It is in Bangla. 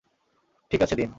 ঠিক আছে দিন!